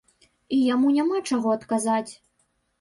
І яму няма чаго адказаць.